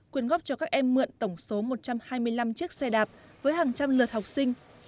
quyên góp cho các em mượn tổng số một trăm hai mươi năm chiếc xe đạp với hàng trăm lượt học sinh